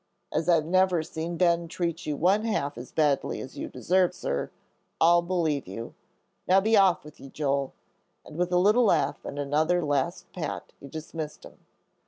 As I've never seen Ben treat you one half as badly as you deserve, sir, I'll believe you. Now be off with you, Joel!" and with a little laugh and another last pat he dismissed him.